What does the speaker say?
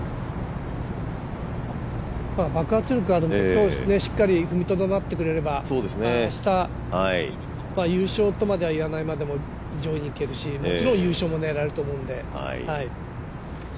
爆発力があるのでしっかり踏みとどまってくれれば明日、優勝とまではいわないまでも上位にいけるしもちろん優勝も狙えると思うんで。